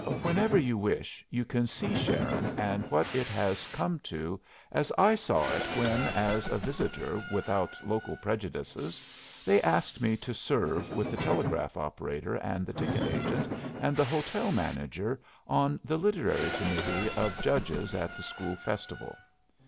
Whenever you wish, you can see Sharon and what it has come to as I saw it when, as a visitor without local prejudices, they asked me to serve with the telegraph operator and the ticket agent and the hotel manager on the literary committee of judges at the school festival.